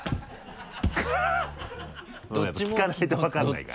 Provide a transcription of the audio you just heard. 聞かないと分かんないから。